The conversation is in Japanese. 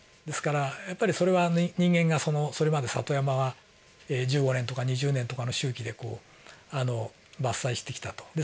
ですからやっぱりそれは人間がそれまで里山は１５年とか２０年とかの周期で伐採してきたと。